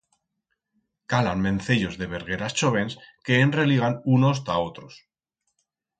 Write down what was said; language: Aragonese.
Calan vencellos de vergueras chóvens que enreligan unos ta otros.